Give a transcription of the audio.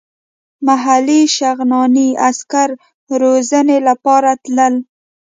محلي شغناني عسکر روزنې لپاره تلل.